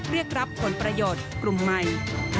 เรียกรับผลประโยชน์กลุ่มใหม่